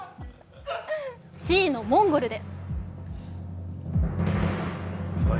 Ｃのモンゴルで！